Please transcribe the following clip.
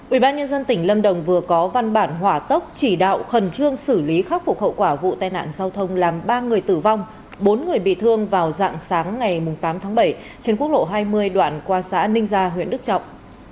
ubnd tỉnh lâm đồng vừa có văn bản hỏa tốc chỉ đạo khẩn trương xử lý khắc phục hậu quả vụ tai nạn giao thông làm ba người tử vong bốn người bị thương vào dạng sáng ngày tám tháng bảy trên quốc lộ hai mươi đoạn qua xã ninh gia huyện đức trọng